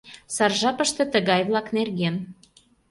Сар жапыште тыгай-влак нерген...